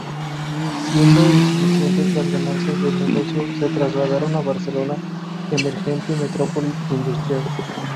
Siendo insuficientes las ganancias del negocio, se trasladaron a Barcelona, emergente metrópoli industrial.